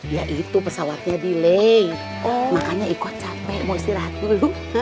ya itu pesawatnya delay makanya ikut capek mau istirahat dulu